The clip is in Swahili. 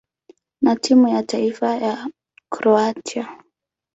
na timu ya taifa ya Kroatia.